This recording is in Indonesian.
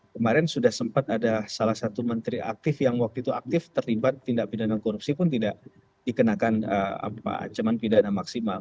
kemarin sudah sempat ada salah satu menteri aktif yang waktu itu aktif terlibat tindak pidana korupsi pun tidak dikenakan ancaman pidana maksimal